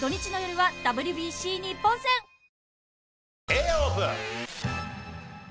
Ａオープン。